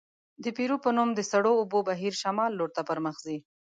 د پیرو په نوم د سړو اوبو بهیر شمال لورته پرمخ ځي.